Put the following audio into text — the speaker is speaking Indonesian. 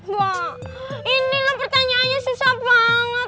wah ini loh pertanyaannya susah banget